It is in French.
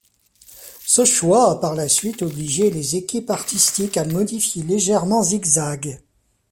Ce choix a par la suite obligé les équipes artistiques à modifier légèrement Zigzag.